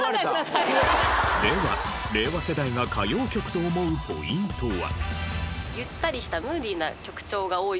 では令和世代が歌謡曲と思うポイントは？